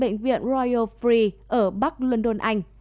bệnh viện royal free ở bắc london anh